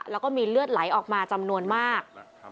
แล้วก็มีเลือดไหลออกมาจำนวนมาก